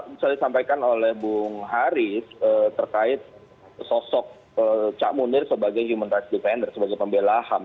misalnya disampaikan oleh bung haris terkait sosok cak munir sebagai human rights defender sebagai pembela ham